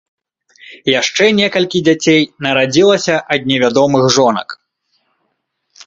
Яшчэ некалькі дзяцей нарадзілася ад невядомых жонак.